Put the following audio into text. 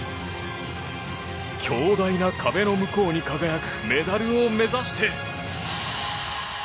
強大な壁の向こうに輝くメダルを目指して。